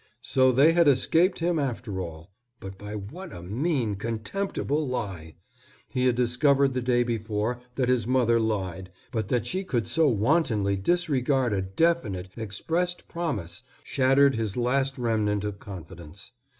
So they had escaped him after all, but by what a mean, contemptible lie! He had discovered the day before that his mother lied, but that she could so wantonly disregard a definite, expressed promise, shattered his last remnant of confidence.